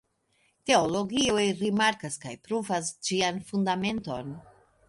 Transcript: Teologoj rimarkas kaj pruvas ĝian fundamenton.